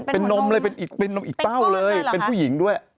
เป็นนมเลยเป็นนมอีกเต้าเลยเป็นผู้หญิงด้วย